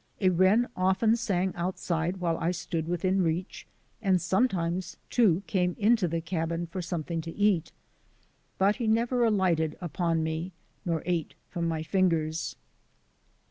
A wren often sang outside while I stood within reach and sometimes, too, came into the cabin for something to eat, but he never alighted upon me nor ate from my fingers.